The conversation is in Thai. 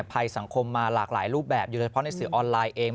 ภัยสังคมมาหลากหลายรูปแบบโดยเฉพาะในสื่อออนไลน์เอง